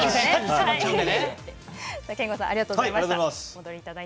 憲剛さんありがとうございました。